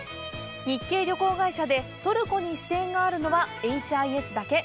日系旅行会社でトルコに支店があるのはＨＩＳだけ！